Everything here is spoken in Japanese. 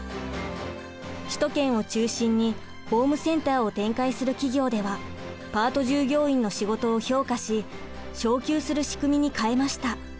首都圏を中心にホームセンターを展開する企業ではパート従業員の仕事を評価し昇給する仕組みに変えました。